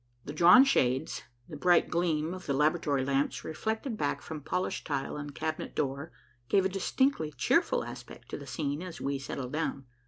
The drawn shades, the bright gleam of the laboratory lamps reflected back from polished tile and cabinet door, gave a distinctly cheerful aspect to the scene as we settled down.